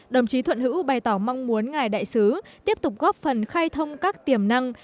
đồng chí thuận hữu bày tỏ mong muốn ngài đại sứ tiếp tục góp phần khai thông các tiềm năng